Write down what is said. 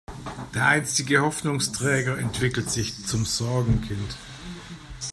Der einstige Hoffnungsträger entwickelt sich zum Sorgenkind.